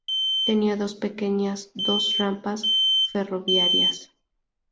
Tenía dos pequeñas dos rampas ferroviarias.